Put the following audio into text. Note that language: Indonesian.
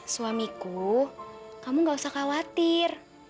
suamiku kamu gak usah khawatir